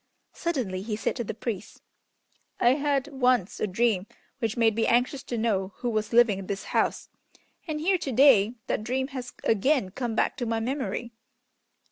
Suddenly he said to the priest, "I had once a dream which made me anxious to know who was living in this house, and here to day that dream has again come back to my memory!"